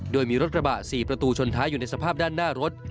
โดยมีรถกระบะ๔ประตูชนท้ายอยู่ในสภาพด้านหน้ารถ